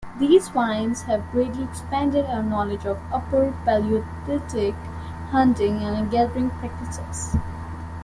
These finds have greatly expanded our knowledge of Upper Paleolithic hunting and gathering practices.